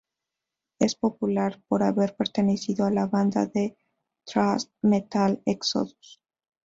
Es popular por haber pertenecido a la banda de thrash metal Exodus.